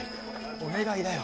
お願いだよ。